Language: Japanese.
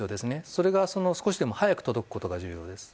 それが少しでも早く届くことが重要です。